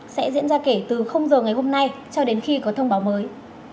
sẽ diễn ra kể từ giờ ngày hôm nay cho đến khi có thông báo mới